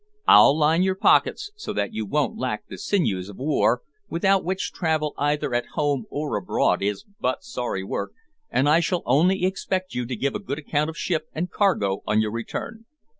I'll line your pockets, so that you won't lack the sinews of war, without which travel either at home or abroad is but sorry work, and I shall only expect you to give a good account of ship and cargo on your return.